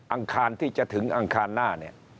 อังคารที่จะถึงอังคารหน้าเนี่ย